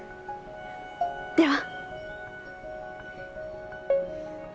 では。